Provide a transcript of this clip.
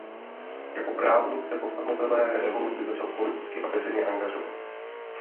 Jako právník se po sametové revoluci začal politicky a veřejně angažovat.